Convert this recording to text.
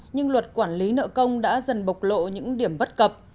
nhưng luật quản lý nợ công đã dần bộc lộ những điểm bất cập